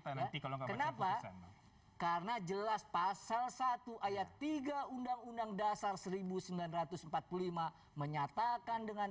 kenapa karena jelas pasal satu ayat tiga undang undang dasar seribu sembilan ratus empat puluh lima menyatakan dengan